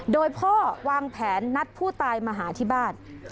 โดยพ่อวางแผนนัดผู้ตายมาหาที่บ้าน